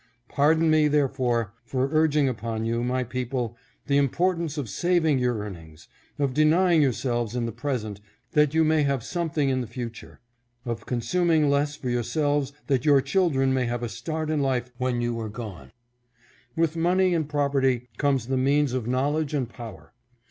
Pardon me, therefore, for urging upon you, my people, the importance of saving your earnings ; of denying yourselves in the present, that ycu may have something in the future, of consuming less for yourselves 616 AND SOME GOOD ADVICE. that your children may have a start in life when you are gone. With money and property comes the means of knowl edge and power.